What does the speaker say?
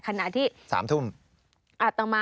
ขณะที่๓ทุ่ม